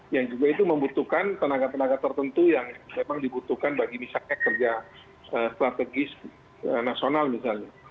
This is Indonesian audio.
yang juga itu membutuhkan tenaga tenaga tertentu yang memang dibutuhkan bagi misalnya kerja strategis nasional misalnya